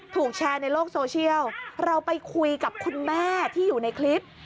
ถูกแชร์ในโลกโซเชียลเราไปคุยกับคุณแม่ที่อยู่ในคลิป